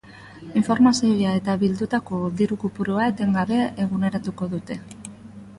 Informazioa eta bildutako diru-kopurua etengabe eguneratuko dute.